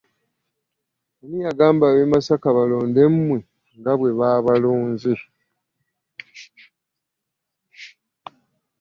Ani yagamba ab'e Masaka balonde mmwe nga bwe baabalonze.